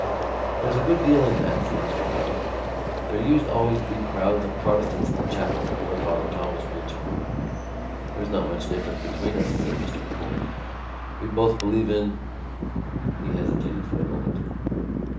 "There's a good deal in that," said Mr Power. "There used always to be crowds of Protestants in the chapel where Father Tom was preaching." "There's not much difference between us," said Mr M'Coy. "We both believe in——" He hesitated for a moment.